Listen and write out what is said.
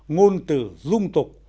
ngôn từ dung tục